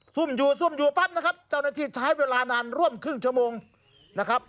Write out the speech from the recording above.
สุ่มอยู่เรื่องนี้ใช้เวลานานร่วมครึ่งชั่วโมงนะครับ